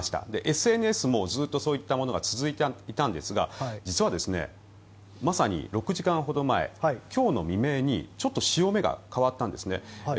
ＳＮＳもずっとそういったものが続いていたんですが実は、まさに６時間ほど前今日の未明にちょっと潮目が変わったんです。